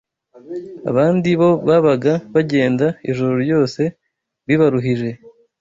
Abandi bo babaga bagenda ijoro ryose bibaruhije